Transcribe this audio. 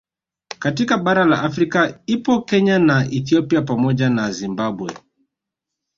Katika bara la Afrika ipo Kenya na Ethipia pamoja na Zimbabwe